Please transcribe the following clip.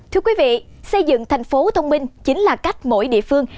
thưa quý vị xây dựng thành phố thông minh chính là cách mỗi địa phương